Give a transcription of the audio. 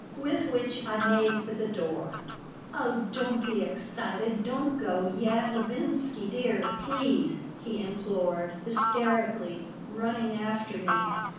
With which I made for the door "Oh, don't be excited. Don't go yet, Levinsky dear, please," he implored, hysterically, running after me.